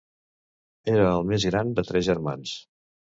Era el més gran de tres germans.